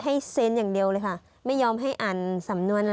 เซ็นอย่างเดียวเลยค่ะไม่ยอมให้อ่านสำนวนอะไร